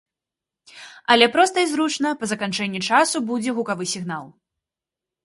Але проста і зручна, па заканчэнні часу будзе гукавы сігнал.